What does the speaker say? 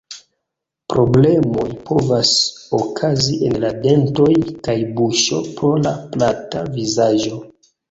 Problemoj povas okazi en la dentoj kaj buŝo pro la plata vizaĝo.